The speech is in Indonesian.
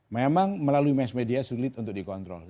memang melalui mass media sulit untuk dikontrol